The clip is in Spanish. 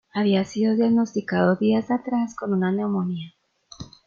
Había sido diagnosticado días atrás con una neumonía.